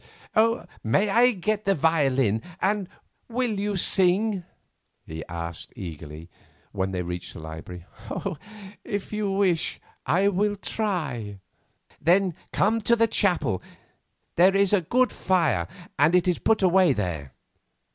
"May I get you the violin, and will you sing?" he asked eagerly, when they reached the library. "If you wish it I will try." "Then come to the chapel; there is a good fire, and it is put away there."